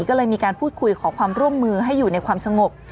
ก็เลยมีการพูดคุยขอความร่วมมือให้อยู่ในความสงบ